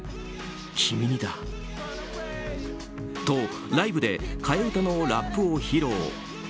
と、ライブで替え歌のラップを披露。